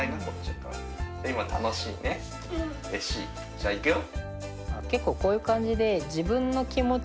じゃあいくよ。